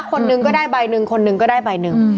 คนนึงก็ได้ใบนึงคนนึงก็ได้ใบนึง